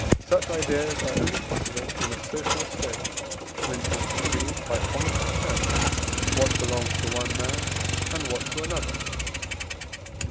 Such ideas are only possible in a social state, when it is decreed by common consent what belongs to one man and what to another.